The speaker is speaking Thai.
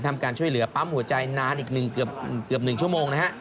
ทำการช่วยเหลือปั๊มหัวใจนานอีกเกือบ๑ชั่วโมงนะฮะ